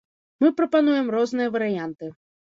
Мы прапануем розныя варыянты.